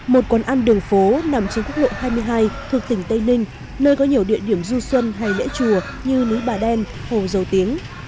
một quán ăn đường phố nằm trên quốc lộ hai mươi hai thuộc tỉnh tây ninh nơi có nhiều địa điểm du xuân hay lễ chùa như núi bà đen hồ dầu tiếng